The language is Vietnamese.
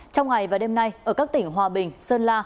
trong ngày và đêm nay ở các tỉnh hòa bình sơn la